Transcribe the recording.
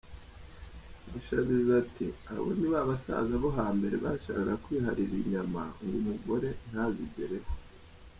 Mushabizi ati “Abo ni ba basaza bo hambere bashakaga kwiharira inyama ngo umugore ntazigereho.